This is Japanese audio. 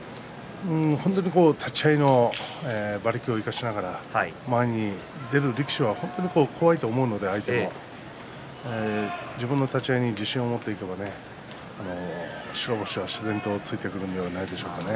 本当に立ち合いの馬力を生かしながら前に出る力士は本当に相手も怖いと思うので自分の立ち合いに自信を持っていけば白星は自然とついてくるのではないでしょうかね。